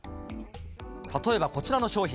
例えばこちらの商品。